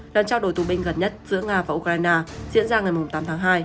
đoàn trao đổi tù binh gần nhất giữa nga và ukraine diễn ra ngày tám tháng hai